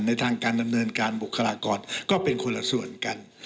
ในทางการดำเนินการบุคลากรก็เป็นคนละส่วนกัน